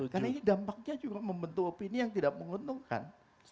karena ini dampaknya juga membentuk opini yang tidak menguntungkan